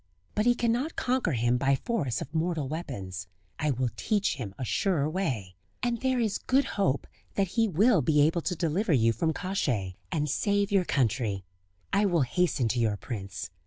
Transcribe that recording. But he cannot conquer him by force of mortal weapons. I will teach him a surer way; and there is good hope that he will be able to deliver you from Kosciey, and save your country. I will hasten to your prince.